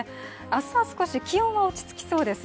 明日は少し気温は落ち着きそうです。